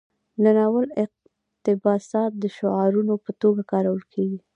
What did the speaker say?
د ناول اقتباسات د شعارونو په توګه کارول کیږي.